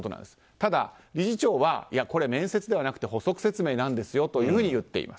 ただ、理事長はいや、これは面接ではなくて補足説明なんですよと言っている。